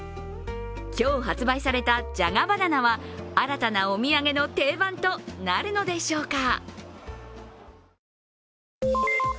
今日発売されたじゃがばな奈は新たなお土産の定番となるのでしょうか。